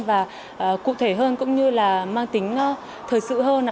và cụ thể hơn cũng như là mang tính thời sự hơn